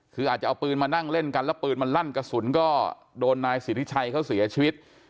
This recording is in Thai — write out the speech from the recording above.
คืออาจจะเอาปืนมานั่งเล่นกันแล้วปืนมันลั่นกระสุนก็โดนนายสิทธิชัยเขาเสียชีวิต